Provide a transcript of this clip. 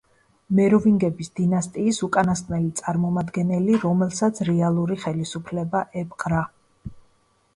მეროვინგების დინასტიის უკანასკნელი წარმომადგენელი, რომელსაც რეალური ხელისუფლება ეპყრა.